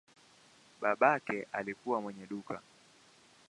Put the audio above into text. Babake alikuwa mwenye duka.